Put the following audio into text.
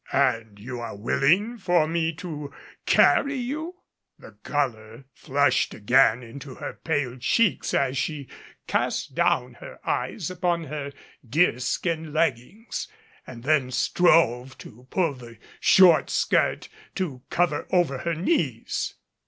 "And you are willing for me to carry you." The color flushed again into her pale cheeks as she cast down her eyes upon her deer skin leggings and then strove to pull the short skirt to cover over her knees.